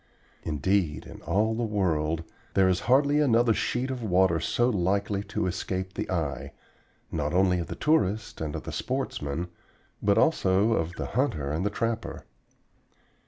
Indeed, in all the world there is hardly another sheet of water so likely to escape the eye, not only of the tourist and the sportsman, but also of the hunter and the trapper.